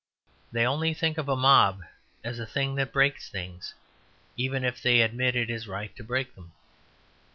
They only think of a mob as a thing that breaks things even if they admit it is right to break them.